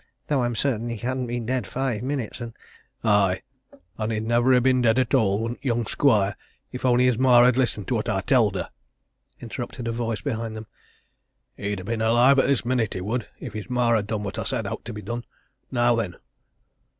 though I'm certain he hadn't been dead five minutes. And " "Aye, an' he'd never ha' been dead at all, wouldn't young Squire, if only his ma had listened to what I telled her!" interrupted a voice behind them. "He'd ha' been alive at this minute, he would, if his ma had done what I said owt to be done now then!"